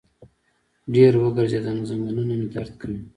ډېر وګرځیدم، زنګنونه مې درد کوي